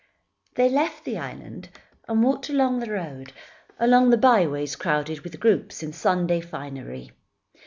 They left the island, and walked along the roads, along the byways crowded with groups in Sunday finery.